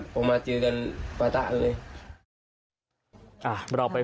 ก็จะจบคู่เฮ้ย